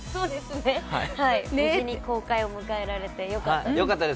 無事に公開を迎えられてよかったです。